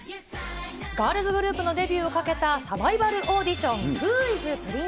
ガールズグループのデビューをかけたサバイバルオーディション、ＷｈｏｉｓＰｒｉｎｃｅｓｓ？